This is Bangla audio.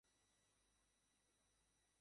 সে রাত্রে অন্নদাবাবু উৎফুল্ল হইয়া বাড়িতে গেলেন।